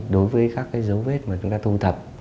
đối với các cái dấu vết mà chúng ta thu thập